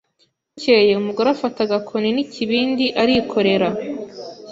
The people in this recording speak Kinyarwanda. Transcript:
Bukeye umugore afata agakoni n' ikibindi arikorera